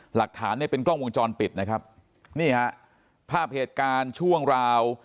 หลักฐานเนี่ยเป็นกล้องวงจรปิดนะครับนี่ฮะภาพเหตุการณ์ช่วงราว